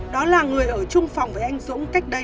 đó là người ở trung phòng với anh dũng cách đây